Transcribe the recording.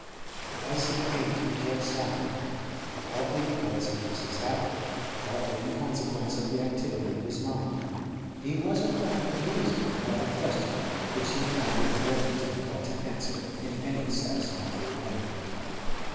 As he ate he kept silence, partly because it was his habit, partly in consequence of the activity of his mind. He was, in fact, musing upon a question which he found it very difficult to answer in any satisfactory way.